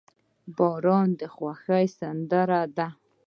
• باران د خوښۍ سندره ده.